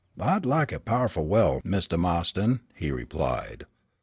"I'd like it powahful well, Mistah Ma'ston," he replied.